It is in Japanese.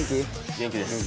元気です。